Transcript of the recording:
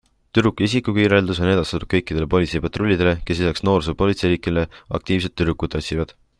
Tüdruku isikukirjeldus on edastatud kõikidele politseipatrullidele, kes lisaks noorsoopolitseinikele aktiivselt tüdrukut otsivad.